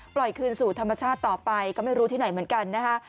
คืนสู่ธรรมชาติต่อไปก็ไม่รู้ที่ไหนเหมือนกันนะคะ